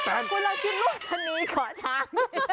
คุณลองกินลูกชะนีเกาะช้าง